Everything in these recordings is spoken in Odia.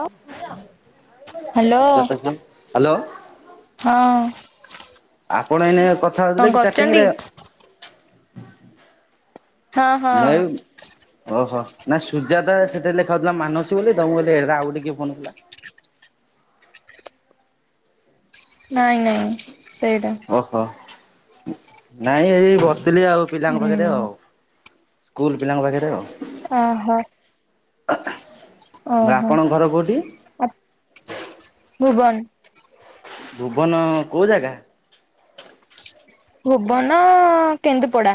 ଅ ହ୍ୟାଲୋ ହ୍ୟାଲୋ ହଁ ଆପଣ ଏଇନେ କଥା କଣ ହଉଥିଲେ କି କରୁଛନ୍ତି ଚାଟିଂରେ। ହଁ ହଁ ମୟୂ ଓହୋ ନା ସୁଜାତା ସେଥିରେ ଲେଖାଯାଉଥିଲା ମାନସୀ ବୋଲି [unintelligible] ଆଉ ଗୋଟେ କିଏ ଫୋନ କଲା। ନାଇଁ ନାଇଁ ସେଇଟା ଓହୋ ନାଇଁ ଏଇ ବସିଥିଲି ଆଉ ପିଲାଙ୍କ ପାଖରେ ହୁଁ ଆଉ। ସ୍କୁଲ ପିଲାଙ୍କ ପାଖରେ ଆ ଓହୋ ଓହୋ ଆପଣଙ୍କ ଘର କୋଉଠି ଆ ଭୁବନ ଭୁବନ କୋଉ ଜାଗା? ଭୁବନ କେନ୍ଦୁପଡ଼ା।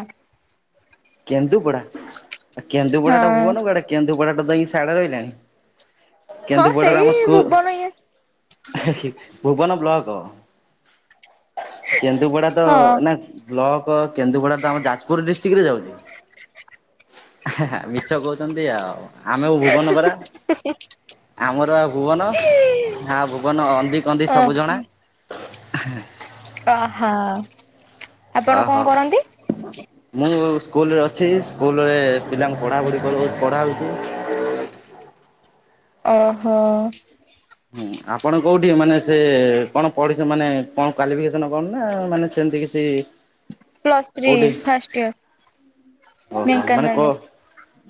କେନ୍ଦୁପଡ଼ା କେନ୍ଦୁପଡ଼ା ହଁ ଟା ଭୁବନ କୁଆଡ଼େ କେନ୍ଦୁପଡ଼ା ଟା ତ ଏଇ ସାଡେ ରହିଲାଣି। ହଁ କେନ୍ଦୁ ସେଇ ବଡ଼ରାମ ଭୁବନ ଇଏ ସ୍କୁ ଭୁବନ ବ୍ଲକ କେନ୍ଦୁପଡ଼ା ତ ହଁ ନାଁ ବ୍ଲକ କେନ୍ଦୁପଡ଼ା ତ ଆମ ଯାଜପୁର ଡିଷ୍ଟ୍ରିକରେ ଯାଉଛି। ମିଛ କହୁଛନ୍ତି ଆଉ ଆମେ ଭୁବନ ପରା। ଆମର ଆଉ ଭୁବନ ହଁ ଭୁବନ ଅନ୍ଦି କନ୍ଦି ସବୁଜଣା। ଅହ ଓ ହୋ ମୁଁ ସ୍କୁଲରେ ଅଛି ସ୍କୁଲରେ ପିଲାଙ୍କୁ ପଢ଼ାପଢ଼ି [unintelligible] ପଢ଼ା ହଉଛି। ଓହୋ ହୁଁ ଆପଣ କୋଉଠି ମାନେ ସେ କଣ ପଢ଼ି ମାନେ କଣ କ୍ୱାଲିଫିକେସନ୍ କଣ ନା ମାନେ ସେମିତି କି ସେ ପ୍ଲସ୍ ଥ୍ରୀ ଫାଷ୍ଟ ଇୟର ଓହୋ ମାନେ ଢେଙ୍କାନାଳରେ କହ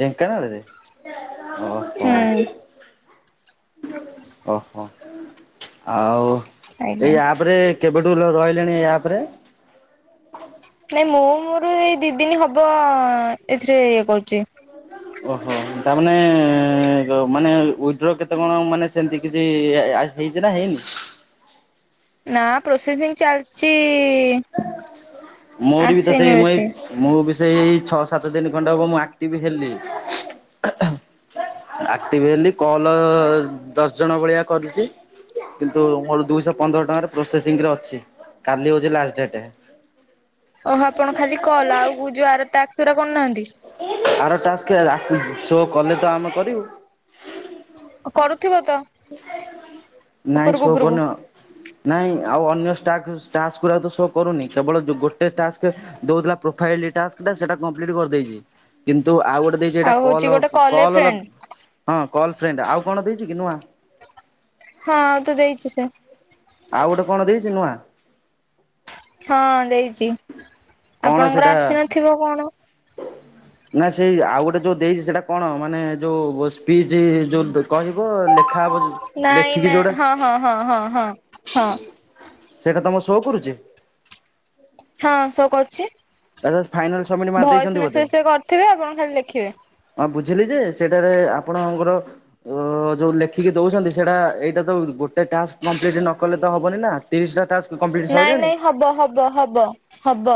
ଢେଙ୍କାନାଳରେ ଓହୋ ହୁଁ ଓହୋ ଆଉ ଆଜ୍ଞା ଏଇ ଆପରେ କେବେଠୁ ରହିଲେଣି ଏ ଆପରେ? ନାଇଁ ମୁଁ ମୋର ଏଇ ଦି ଦିନ ହବ ଏଥିରେ ଇଏ କରୁଛି। ଓହୋ ତାମାନେ ମାନେ ଉଡ୍ର କେତେ କଣ ମାନେ ସେମିତି କିଛି ଆ ହେଇଛି ନା ହେଇନି। ନା ପ୍ରୋସେସିଂ ଚାଲିଛି। ମୋର ବି ତ ଆସିନି ସେଇ ମୋ ବେଶୀ। ଏ ମୁଁ ବି ସେଇ ଇ ଛଅ ସାତ ଦିନି ଖଣ୍ଡେ ହବ ମୁଁ ଆକ୍ଟିଭ ହେଲି। ଆକ୍ଟିଭ ହେଲି କଲ ଦଶ ଜଣ ଭଳିଆ କରିଚି। କିନ୍ତୁ ମୋର ଦୁଇଶହ ପନ୍ଦର ଟଙ୍କାରେ ପ୍ରୋସେସିଂରେ ଅଛି କାଲି ହଉଚି ଲାଷ୍ଟ ଡେଟେ। ଓହୋ ଆପଣ ଖାଲି କଲ ଆଉ କୁ ଯୋଉ ଆର ଟାକ୍ସ ଗୁରା କରୁନାହାନ୍ତି? ଆର ଟାସ୍କେ ଆସିନି ସୋ କଲେ ତ ଆମେ କରିବୁ। କରୁଥିବ ତ? ନାଇଁ ଉପରକୁ ସୋ ଉପରକୁ କରନ। ନାଇଁ ଆଉ ଅନ୍ୟ ଷ୍ଟାକ ଟାସ୍କ ଗୁରା ସୋ କରୁନି କେବଳ ଯୋ ଗୋଟେ ଟାସ୍କେ ଦଉଥିଲା ପ୍ରୋଫାଇଲି ଟାସ୍କ ସେଟା କମ୍ପ୍ଲିଟ କରଦେଇଚି କିନ୍ତୁ ଆଉ ଗୋଟେ ଦେଇଚି ହେଟା ଆଉ ହଉଛି କଲ ଗୋଟେ ଏ କଲ ଫ୍ରେଣ୍ଡ। ଲଗ ହଁ କଲ ଫ୍ରେଣ୍ଡ ଆଉ କଣ ଦେଇଚି କି ନୂଆ? ହଁ ଆଉ ତ ଦେଇଚି ସେ। ଆଉ ଗୋଟେ କଣ ଦେଇଚି ନୂଆ? ହଁ ଦେଇଚି କଣ ଆପଣଙ୍କର ସେଟା ଆସିନଥିବ କଣ? ନା ସେଇ ଆଉ ଗୋଟେ ଯୋଉ ଦେଇଚି ସେଟା କଣ ମାନେ ଯୋଉ ଅ ସ୍ପିଚ ଯୋଉ କହିବ ଲେଖ ଖା ହବ ଯୋଉ ନାଇଁ ଲେଖିକି ନା ଯୋଉଟା ହଁ ହଁ ହଁ ହଁ ହଁ। ସେଟା ତମ ସୋ କରୁଚି? ହଁ ସୋ କରଚି ଫାଇନାଲ ସବମିଟ ଭଏସ୍ ମାରିଦେଇଛନ୍ତି ବୋଧେ। ମେସେଜ ସେ କରଥିବେ ଆପଣ ଖାଲି ଲେଖିବେ। ହଁ ବୁଝିଲି ଯେ ସେଟାରେ ଆପଣଙ୍କର ଅ ଯୋଉ ଲେଖିକି ଦଉସନ୍ତି ସେଡ଼ା ଏଇଟା ତ ଗୋଟେ ଟାସ୍କ କମ୍ପ୍ଲିଟ ନ କଲେ ତ ହବନି ନା ତିରିଶଟା ଟାସ୍କ କମ୍ପ୍ଲିଟ ନାଇଁ ସଇଲାଣି? ନାଇଁ ହବ ହବ ହବ ହବ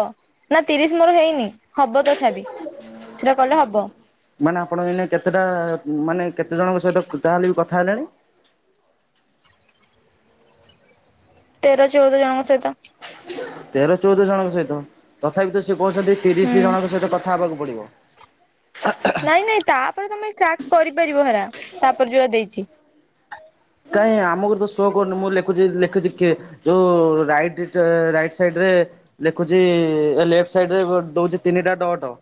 ନା ତିରିଶ ମୋର ହେଇନି। ହବ ତଥାବି ସେଟା କଲେ ହବ। ମାନେ ଆପଣ ଏଇନେ କେତେଟା ମାନେ କେତେ ଜଣଙ୍କ ସହିତ କ ଯାହାହେଲେ ବି କଥା ହେଲାଣି? ତେର ଚଉଦ ଜଣଙ୍କ ସହିତ। ତେର ଚଉଦ ଜଣଙ୍କ ସହିତ ତଥାବି ତ ସିଏ କହୁଛନ୍ତି ହୁଁ ତିରିଶ ଜଣଙ୍କ ସହିତ କ ଥା ହବାକୁ ପଡ଼ିବ। ନାଇଁ ନାଇଁ ତାପରେ ତମେ ଟାକ୍ସ କରିପାରିବ ହେରା ତାପରେ ଯୋଉରା ଦେଇଚି। କାଇଁ ଆମକୁ ତ ସୋ କରୁନି ମୁଁ ଲେଖୁଚି ଲେଖୁଚି କିଏ ଯୋଉ ରାଇଟ ଟ ରାଇଟ ସାଇଡ଼ ରେ ଲେଖୁଚି ଇ ଇ ଏ ଲେଫଟ ସାଇଡ଼ ରେ ବ ଦଉଚି ତିନିଟା ଡ଼ଟ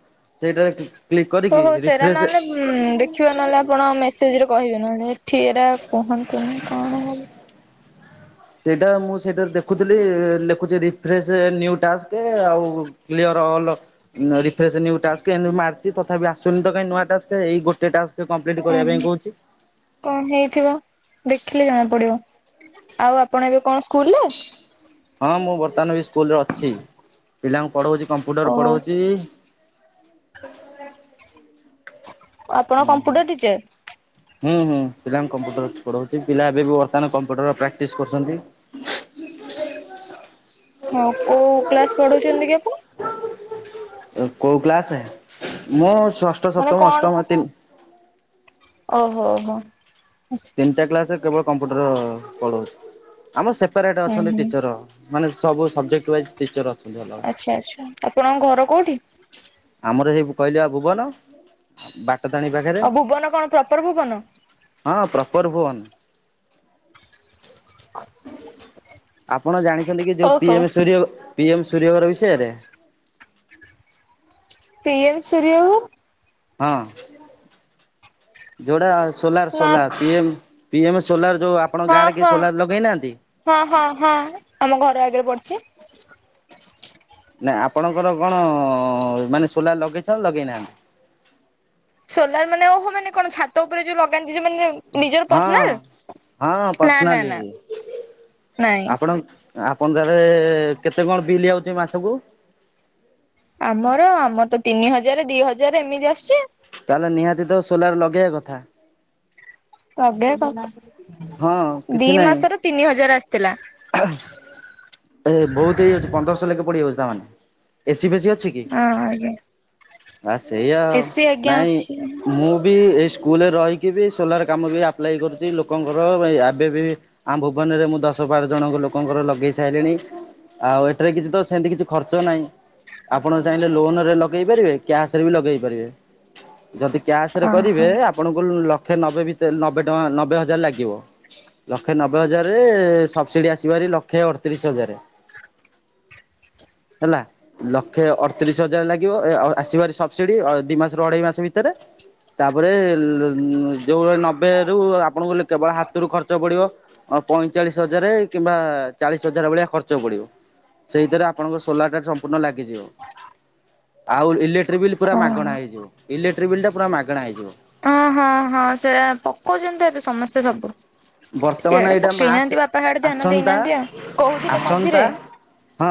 ସେଇଟାରେ କ୍ଲି ଓହୋ ସେରା ନହେଲେ ଉଁ ଉଁ ଦେଖ ଖିବ ନହେଲେ ନାଇଁ ଆପଣ ମେସେଜରେ କହିବେ ନହେଲେ ଏଠି ଏରା କୁହନ୍ତିନି କଣ କହିବି? ସେଇଟା ମୁଁ ସେଇଟାରେ ଦେଖୁଥିଲି ଲେଖୁଚି ରିଫ୍ରେସେ ନିଉ ଟାସ୍କେ ଆଉ କ୍ଳିଅର ଅଲ। ନ ରିଫ୍ରେସେ ନିଉ ଟାସ୍କେ ଏନ୍ତି ମାରଚି ତଥାବି ଆସୁନି ତ କାଇଁ ନୂଆ ଟାସ୍କେ ଏଇ ଗୋଟେ ଟାସ ସେ କମ୍ପ୍ଲିଟ୍ କରିବା ଓହୋ ପାଇଁ କହୁଚି। କଣ ହେଇଥିବ ଦେଖିଲେ ଜଣା ପଡ଼ିବ ଆଉ ଆପଣ ଏବେ କଣ ସ୍କୁଲରେ? ହଁ ମୁଁ ବର୍ତ୍ତମାନ ବି ସ୍କୁଲରେ ଅଛି ପିଲାଙ୍କୁ ପଢ଼ଉଚି କମ୍ପ୍ୟୁଟର ଓହୋ ପଢ଼ଉଚି। [inaudible] ଆପଣ ହୁଁ ହୁଁ। Computer teacher? ହୁଁ ହୁଁ ପିଲାଙ୍କୁ କମ୍ପ୍ୟୁଟର ପଢ଼ଉଚି ପିଲା ଏବେ ବି ବର୍ତ୍ତମାନ କମ୍ପ୍ୟୁଟର ପ୍ରାକ୍ଟିସ୍ କରୁଚନ୍ତି। ହଉ କୋଉ କ୍ଲାସ ପଢ଼ଉଚନ୍ତି କି ଆପଣ? ଅ କୋଉ କ୍ଲାସେ ମୁଁ ଷଷ୍ଠ, ମାନେ ସପ୍ତମ, କଣ ଅଷ୍ଟମ ତିନ ଓହୋ ଓହୋ ଆଛ ତିନଟା କ୍ଲାସେରେ କେବଳ କମ୍ପ୍ୟୁଟର ପଳଉଚି ଆମର ସେପାରେଟ୍ ହୁଁ ଅଛନ୍ତି ହୁଁ ଟିଚର। ମାନେ ସବୁ ସବଜେକ୍ଟ ୱାଇଜ୍ ଟିଚର୍ ଅଛନ୍ତି [unintelligible] ଆଚ୍ଛା-ଆଚ୍ଛା ଆପଣଙ୍କ ଘର କୋଉଠି? ଆମର ସେଇ କହିଲି ବା ଭୁବନ ବାଟତାରେଣୀ ପାଖେରେ। ଆଉ ଭୁବନ କଣ ପ୍ରପର ଭୁବନ? ହଁ ପ୍ରପର୍ ଭୁବନ୍। ଆଉ ଆପଣ ଜାଣିଛନ୍ତି କି ଯୋଉ ଓହୋ ପିଏମ୍ ସର୍ଯ୍ୟ ପିଏମ୍ ସୂର୍ଯ୍ୟ ଘର ବିଷୟରେ? ପିଏମ୍ ସୂର୍ଯ୍ୟ ଘର ହଁ ଯୋଉଟା ନା ସୋଲାର୍-ସୋଲାର୍ ପିଏମ୍-ପିଏମ୍ ସୋଲାର୍ ଯୋଉ ଆପଣଙ୍କ ଗାଁରେ କିଏ ସୋଲାର୍ ଲଗେଇ ନାହାନ୍ତି? ହଁ-ହଁ-ହଁ ଆମ ଘର ଆଗେରେ ପଡିଚି। ନା ଆପଣଙ୍କର କଣ ମାନେ ସୋଲାର୍ ଲଗେଇଛ ଲଗେଇ ନାହାନ୍ତି? ସୋଲାର୍ ମାନେ ଓହୋ ମାନେ କଣ ଛାତ ଉପରେ ଯୋଉ ଲଗାନ୍ତି ଯୋଉ ମାନେ ନିଜର ପର୍ସନାଲ? ହଁ-ହଁ ନା ନା ପର୍ସନାଲି ନା ନାଇଁ ଆପଣ ଆପଣ [unintelligible] କେତେ କଣ ବିଲ୍ ଆଉଚି ମାସକୁ? ଆମର-ଆମର ତ ତିନି ହଜାରେ ଦି ହଜାରେ ଏମିତି ଆସୁଚି ଆଉ। ତାହେଲେ ନିହାତି ତ ସୋଲାର୍ ଲଗେଇଆ କଥା। ଲଗେଇଆ କଥା, ହଁ ଦି ମାସର ତିନି ହଜାର ଆସିଥିଲା। ଏହେ ବହୁତ୍ ହେଇଯାଉଚି ପନ୍ଦରଶହ ଲେଖେ ପଡିଯାଉଚି ତା ମାନେ, ଏସି ଫେସିି ଅଛି କି? ହଁ, ଅଜ୍ଞ। ଆ ସେଇଆ ଆଉ, ନାଇଁ ଅଛି ମୁଁ ବି ଏଇ ସ୍କୁଲରେ ରହିକି ବି ସୋଲାର୍ କାମ ବି ଆପ୍ଲାଇ କରୁଚି ଲୋକଙ୍କର, ଏବେ ବି ଆମ ଭୁବନରେ ମୁଁ ଦଶ ବାର ଜଣକ ଲୋକଙ୍କର ଲଗେଇ ସାଇଲେଣି, ଆଉ ଏଠାରେ କିଛି ତ ସେନ୍ତି କିଛି ଖର୍ଚ୍ଚ ନାହିଁ। ଆପଣ ଚାହିଁଲେ ଲୋନ ରେ ଲଗେଇ ପାରିବେ କ୍ୟାସ୍ ରେ ବି ଲଗେଇ ପାରିବେ। ଯଦି କ୍ୟାସ୍ ରେ ଓହୋ କରିବେ, ଆ ଆପଣଙ୍କୁ ଲକ୍ଷେ ନବେ ଭିତେ ନବେ ଟଙ୍କା ନବେ ହଜାର୍ ଲାଗିବ, ଲକ୍ଷେ ନବେ ହଜାରେ ସବସିଡି ଆସିବ ହାରି ଲକ୍ଷେ ଅଡତିରିଶ୍ ହଜାରେ। ହେଲା। ଲକ୍ଷେ ଅଡତିରିଶ୍ ହଜାର ଲାଗିବ ଏ ଆସିବ ହାର ସବସିଡି ଦି ମାସରୁ ଅଢେଇ ମାସ ଭିତେରେ। ତାପରେ ଯୋଉ ନବେ ରୁ ଆପଣଙ୍କୁ କେବଳ ହାତୁରୁ ଖର୍ଚ୍ଚ ପଡିବ [unintelligible] ପଇଁଚାଳିଶ୍ ହଜାରେ କିମ୍ବା ଚାଳିଶ୍ ହଜାରେ ଭଳିଆ ଖର୍ଚ୍ଚ ପଡିବ। ସେଇଥିରେ ଆପଣଙ୍କ ସୋଲାର୍ ଟା ସମ୍ପୂର୍ଣ ଲାଗିଯିବ, ଆଉ ଇଲେ ଟ୍ରି ବିଲ୍ ପୁର ମାଗଣା ଓହୋ। ହେଇଯିବ, ଇଲେଟ୍ରି ବିଲ୍ ଟା ପୁରା ମାଗେଣା ହଇଯିବ। ଅ ହଁ-ହଁ ସେଟା ପକଉଚନ୍ତି ତ ଏବେ ସମସ୍ତେ ସବୁ। ବର୍ତ୍ତମାନ [unintelligible] ଏଇଟା ପକେଇ ମାର୍ଚ୍ଚ ନାହାନ୍ତି ବାପା ସାଡେ ଧ୍ୟାନ ଆସନ୍ତା ଦେଇନାହାନ୍ତି ଆଉ କହୁଥିଲେ ଆସନ୍ତା ମଝିରେ। ହଁ।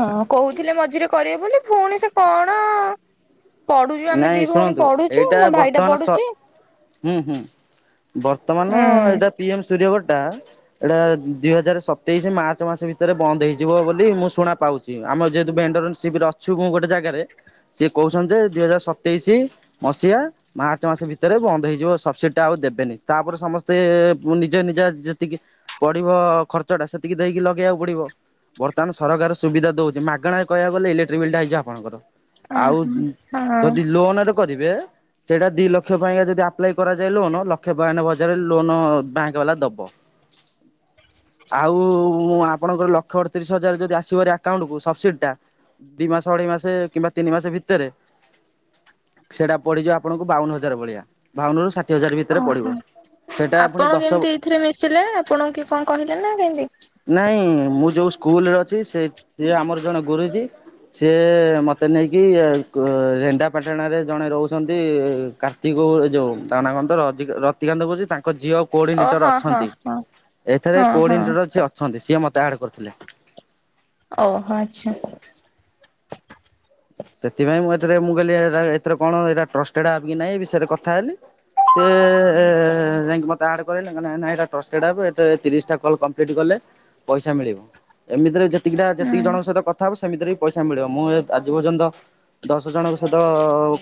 ହଁ କହୁଥିଲେ ମଝିରେ କରିବେ ବୋଲି, ଫୁଣି ସେ କଣ ପଢୁଚୁ ଆମେ ଦି ନାଇଁ ଭଉଣୀ ଶୁଣନ୍ତୁ ପଢୁଚୁ, ମୋ ଭାଇଟା ପଢୁଚି। ହୁଁ-ହୁଁ ବର୍ତ୍ତମାନ ଏଇଟା ଉଁ ପିଏମ୍ ସୂର୍ଯ୍ୟଘର ଟା ଏଇଟା ଦି ହଜାର ସତେଇଶ ମାର୍ଚ୍ଚ ମାସ ଭିତରେ ବନ୍ଦ ହେଇଯିବ ବୋଲି ମୁଁ ଶୁଣା ପାଉ ଚି, ଆମର ଯେହେତୁ ଭେଣ୍ଡର ସିଏ ବି ଅଛୁ ଗୋଟେ ଜାଗାରେ ସିଏ କହୁଚନ୍ତି ଯେ ଦୁଇ ହଜାର ସତେଇଶି ମସିହା ମାର୍ଚ୍ଚ ମାସ ଭିତେରେ ବନ୍ଦ ହେଇଯିବ ସବସିଡି ଟା ଆଉ ଦେବେନି, ତାପରେ ସମସ୍ତେ ନିଜ [unintelligible] ଯେତିକି ପଡିବ ଖର୍ଚ୍ଚ ଟା ସେତିକି ଦେଇକି ଲଗେଇବାକୁ ପଡିବ। ବର୍ତ୍ତମାନ ସରକାର ସୁବିଧା ଦଉଛି ମାଗଣା କୁ କହିବାକୁ ଗଲେ ଇଲେକ୍ଟ୍ରିକ ବିଲ୍ ଟା ହୋଇଛି ଆପଣଙ୍କର। ଆଉ [inaudible] ଯଦି ଲୋନରେ କରିବେ ସେଇଟା ଦି ଲକ୍ଷେ ପାଇଁକା ଯଦି ଆପ୍ଲାଏ କରାଯାଏ ଲୋନ ଲକ୍ଷେ ବୟାନବେ ହାଜର ଲୋନ ବ୍ୟାଙ୍କ ବାଲା ଦବ। [inaudible] ଆଉ ଆପଣଙ୍କର ଲକ୍ଷେ ଅଡତିରିଶ ହଜାର ଯଦି ଆସିବାର ଆକାଉଣ୍ଟ କୁ ସବସିଡି ଦି ମାସ ଅଢେଇ ମାସ କିମ୍ବା ତିନି ମାସ ଭିତରେ ସେଇଟା ପଡିିଯିବ ଆପଣଙ୍କୁ ବାଉନ ହଜାର ଭଳିଆ ବାଉନରୁ ଷାଠିଏ ହଜାର ଭିତରେ ଓହୋ ପଡିବ। ସେଇଟା ପୁଣି ଆପଣ ଦଶ କେମିତି ଏଇଥିରେ ମିଶିଲେ ଆପଣ ଙ୍କୁ କିଏ କଣ କହିଲେ ନା କେମତି ନାଇଁ ମୁଁ ଯୋଉ ସ୍କୁଲରେ ଅଛି ସେ ସିଏ ଆମର ଜଣେ ଗୁରୁଜୀ ସିଏ ମତେ ନେଇକି ରେଣନ୍ଦା ପଟଣା ଜଣେ ରହୁଛନ୍ତି କାର୍ତ୍ତିକ ଯେଉଁ ତାଙ୍କ ନାଁ କଣ ର ର ରତିକା ରତିକାନ୍ତ ଗୁରୁଜୀ ତାଙ୍କ ଝିଅ ଓ କୋଡିନେଟର ହଁ ହଁ ଅଛନ୍ତି ହଁ ଏଥରେ ହଁ ହଁ କୋଡିନେଟର ଅ ଅଛନ୍ତି ସିଏ ମୋତେ ଆଡ଼୍ କରିଥିଲେ। ଓହୋ ଆଚ୍ଛା। ସେଥିପାଇଁ ମୁଁ ଏଥିରେ ମୁଁ କହିଲି ଏର କଣ ଏ ଟ୍ରଷ୍ଟେଡ ଆପ୍ କି ନାଇଁ ବିଷୟରେ କଥା ହେଲି। ସେ ଯାଇକି ମତେ ଆଡ୍ କରେଇଲେ ନାଇଁ ଏଟା ଟ୍ରଷ୍ଟେଡ ଆପ ଏଥିରେ ତିରିଶ ଟା କଲ କଂପ୍ଲିଟ୍ ହେଲେ ପଇସା ମିଳିବ ଏମିତିରେ ଯେ ସେତିକିଟା ଯେତିକି ହୁଁ ଜଣଙ୍କ ସହିତ କଥା ହେବ ସେମିତିରେ ବି ପଇସା ମିଳିବ ମୁଁ ଆଜି ପର୍ଯ୍ୟନ୍ତ ଦଶ ଜଣଙ୍କ ସହିତ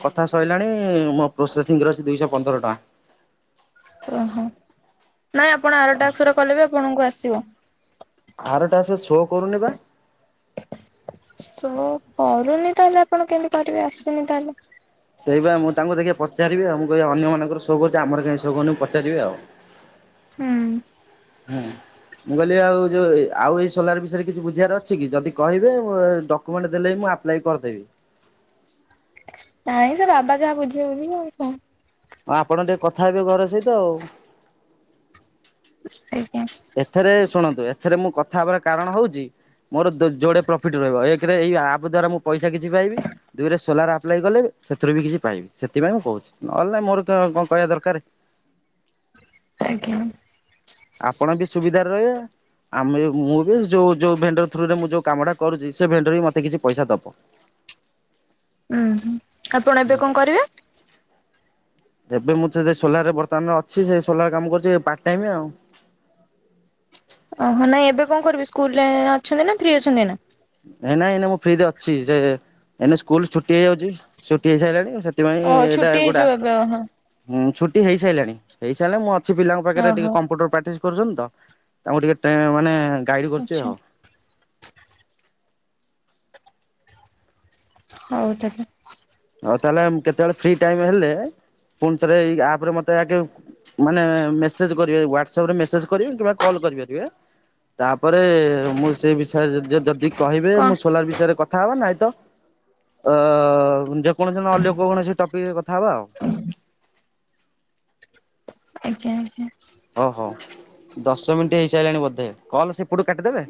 କଥା ସରିଲାଣି ମୋ ପ୍ରୋସେସିଂ ରେ ଅଛି ଦୁଇଶହ ପନ୍ଦର ଟଙ୍କା। ଓହୋ ନାଇଁ ଆପଣ ଆରଟା ଅକ୍ଷର କଲେ ବି ଆପଣଙ୍କୁ ଆସିବ। ଆର ଟ୍ୟାକ୍ସ ଶୋ କରୁନି ବା। ଶୋ କରୁନି ତାହେଲେ ଆପଣ କେମିତି କରିବେ ଆସିନି ତାହେଲେ। ସେଇ ମୁଁ ତାଙ୍କୁ ଦେଖିବା ପଚାରିବି ଆଉ ମୁଁ କହିବି ଅନ୍ୟମାନଙ୍କର ସୋ କରୁଛି ଆମର କାଇଁ ସୋ କରୁନି ପଚାରିବି ଆଉ। ହୁଁ। ହୁଁ। ମୁଁ କହିଲି ଆଉ ଯୋଉ ଆଉ ଏଇ ସୋଲାର ବିଷୟରେ କିଛି ବୁଝିବାର ଅଛି କି? ଯଦି କହିବେ ମୁଁ ଟ ଡକ୍ୟୁମେଣ୍ଟ ଦେଲେ ମୁଁ ଆପ୍ଲାଏ କରିଦେବି। ନାଇଁ ସେ ବାବା ଯାହା ବୁଝିବେ ବୁଝିବେ ଆଉ କଣ। ହଁ ଆପଣ ଟିକେ କଥା ହେବେ ଘର ସହିତ ଆଉ। ଆଜ୍ଞା। ଏଥରେ ଶୁଣନ୍ତୁ ଏଥରେ ମୁଁ କଥା ହେବାର କାରଣ ହଉଛି ମୋର ଯୋଡେ ପ୍ରଫିଟ୍ ରହିବ ଏକେରେ ଏଇ ଆପ୍ ଦ୍ଵାରା ମୁଁ ପଇସା କିଛି ପାଇବି। ଦୁଇରେ ସୋଲାର ଆପ୍ଲାଏ କଲେ ସେଥିରୁ ବି କିଛି ପାଇବି, ସେଥିପାଇଁ ମୁଁ କହୁଛି ନହେଲେ ନାହିଁ ମୋର କଣ କହିବା ଦରକାର। ଆଜ୍ଞା। ଆପଣ ବି ସୁବିଧାରେ ରହିବେ। ଆମେ ମୁଁ ବି ଯୋଉ ଯୋଉ ଭେଣ୍ଡର ଥ୍ରୁରେ ମୁଁ ଯୋଉ କାମଟା କରୁଛି ସେ ଭେଣ୍ଡର ବି ମତେ କିଛି ପଇସା ଦବ। ଉୁଁ ଆପଣ ଏବେ କଣ କରିବେ? ଏବେ ମୁଁ ତ ସେ ସୋଲାର ରେ ବର୍ତ୍ତମାନରେ ଅଛି ସେ ସୋଲାର କାମ କରୁଛି ପାଟ ଟାଇମି ଆଉ। ଓହୋ ନାଇଁ ଏବେ କଣ କରିବି ସ୍କୁଲରେ ଅଛନ୍ତି ନା ଫ୍ରି ଅଛନ୍ତି ଏଇନା? ନଁ ନାଇଁ ଏଇ ମୁଁ ଫ୍ରିରେ ଅଛି ସେ ଏଇନେ ସ୍କୁଲ ଛୁଟି ହେଇଯାଉଛି ଛୁଟି ହେଇ ସାରିଲାଣି ସେ ସେଥିପାଇଁ ଓହୋ ଏଇଟା ଛୁଟି ଗୋଟା ହେଇଯିବ ଏବେ ଓହୋ ହଁ ଛୁଟି ହେଇସାରିଲାଣି ହେଇସାରିଲେ ମୁଁ ଅଛି ପିଲାଙ୍କ ପାଖରେ ଟିକେ ଓହୋ କମ୍ପ୍ୟୁଟର ପା କରୁଛନ୍ତି ତ ତାଙ୍କୁ ଟିକେ ମାନେ ଗାଇଡ କରୁଛି ଆଚ୍ଛା ଆଉ। ହଉ। [unintelligible] ହଉ, ତାହେଲେ କେତେବେଳେ ଫ୍ରି ଟାଇମ ହେଲେ ପୁଣି ଥରେ ଏଇ ଆପରେ ମତେ ଆଗେ ମାନେ, ମେସେଜ୍ କରିବେ, ହ୍ୱଟ୍ସଆପ୍ ରେ ମେସେଜ୍ କରିବେ କିମ୍ବା କଲ୍ କରିପାରିବେ। ତାପରେ ମୁଁ ସେଇ ବିଷୟରେ ଯଦି କହିବେ, ମୁଁ କଣ ସୋଲାର ବିଷୟରେ କଥା ହେବା ନାଇଁ ତ? ଅ ଯେକୌଣସି ନ ହେଲେ ଅନ୍ୟ କୌଣସି ଟପିକ୍ ରେ କଥା ହବା ଆଉ। ଆଜ୍ଞା ଆଜ୍ଞା। ଓହୋ, ଦଶ ମିନିଟ୍ ହେଇସାରିଲାଣି ବୋଧେ। କଲ୍ ସେପଟୁ କାଟିଦେବେ।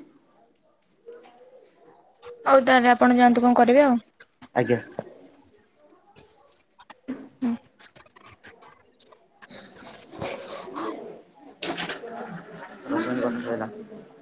ହଉ, ତାହେଲେ ଆପଣ ଯାଆନ୍ତୁ। କଣ କରିବେ ଆଉ? ଆଜ୍ଞା। [inaudible]